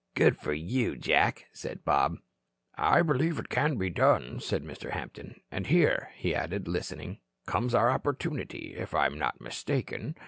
"Good for you, Jack," said Bob. "I believe it can be done," said Mr. Hampton. "And here," he added, listening, "comes our opportunity, if I am not mistaken.